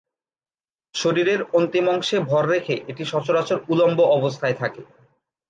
শরীরের অন্তিম অংশে ভর রেখে এটি সচরাচর উল্লম্ব অবস্থায় থাকে।